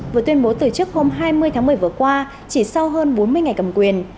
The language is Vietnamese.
vừa tuyên bố từ chức hôm hai mươi tháng một mươi vừa qua chỉ sau hơn bốn mươi ngày cầm quyền